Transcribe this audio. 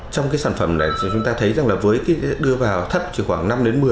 trong cái sản phẩm này chúng ta thấy rằng là với cái đưa vào thấp chỉ khoảng năm một mươi